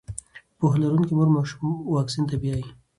پوهه لرونکې مور ماشوم واکسین ته بیايي.